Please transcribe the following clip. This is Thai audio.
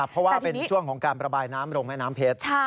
เพราะว่าเป็นช่วงของการประบายน้ำลงแม่น้ำเพชร